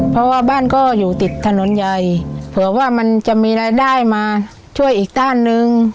เพราะว่าบ้านก็อยู่ติดถนนใหญ่เผื่อว่ามันจะมีรายได้มาช่วยอีกด้านหนึ่ง